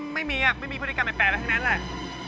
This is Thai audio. ไม่มีไม่มีพฤติกรรมแปลกอะไรทั้งนั้นแหละ